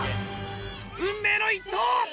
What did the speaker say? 運命の１投！